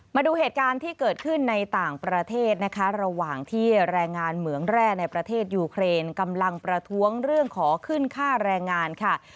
มาดูเหตุการณ์ที่เกิดขึ้นในต่างประเทศนะคะระหว่างที่แรงงานเหมืองแร่ในประเทศยูเครนกำลังประท้วงเรื่องขอขึ้นค่าแรงงานค่ะ